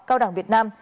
cao đảng việt nam